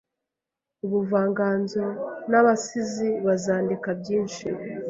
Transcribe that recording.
ubuvanganzo n'abasizi bazandika byinshi